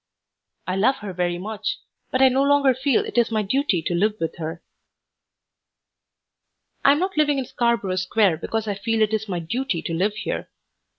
I love her very much, but I no longer feel it is my duty to live with her. I am not living in Scarborough Square because I feel it is my duty to live here.